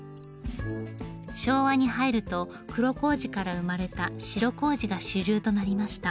昭和に入ると黒麹から生まれた白麹が主流となりました。